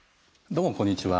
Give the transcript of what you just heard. どうもこんにちは。